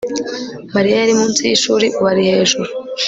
mariya yari munsi yishuri ubu ari hejuru